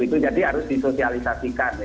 itu jadi harus disosialisasikan